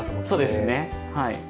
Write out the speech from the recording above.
そうですねはい。